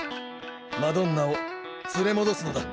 マドンナを連れ戻すのだ。